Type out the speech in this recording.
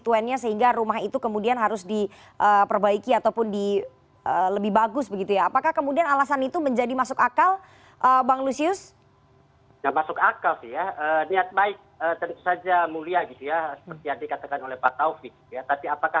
saya ingin sampaikan saya juga minta kepada coach kita juga mesti objektif